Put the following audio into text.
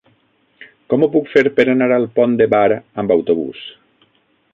Com ho puc fer per anar al Pont de Bar amb autobús?